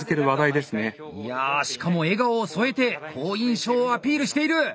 いやしかも笑顔を添えて好印象をアピールしている。